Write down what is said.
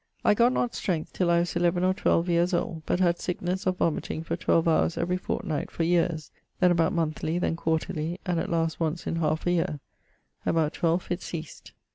I gott not strength till I was 11 or 12 yeares old; but had sicknesse of vomiting[Q], for 12 houres every fortnight for ... yeares, then about monethly, then quarterly, and at last once in halfe a yeare. About 12 it ceased.